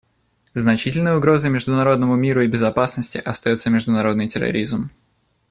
Значительной угрозой международному миру и безопасности остается международный терроризм.